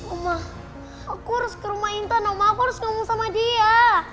oma aku harus ke rumah intan oma aku harus ngomong sama dia